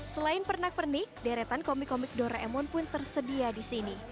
selain pernak pernik deretan komik komik doraemon pun tersedia di sini